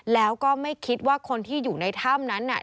แล้วก็ไม่คิดว่าคนที่อยู่ในถ้ำนั้นน่ะ